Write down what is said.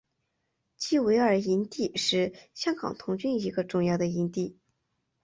基维尔营地是香港童军一个重要的营地。